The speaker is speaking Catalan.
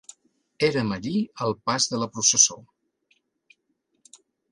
Érem allí al pas de la processó.